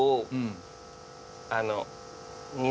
あの。